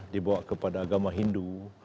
dibawa kepada agama hindu